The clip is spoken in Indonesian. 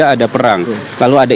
tujuh puluh tiga ada perang lalu ada